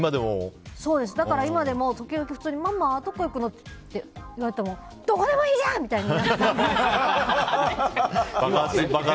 だから今でも時々、普通にママ、どこに行くの？って言われてもどこでもいいやん！ってなった。